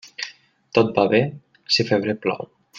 Tot va bé, si febrer plou.